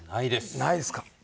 ないですか。